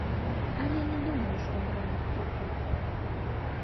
Але не думаю, што бралі прыклад.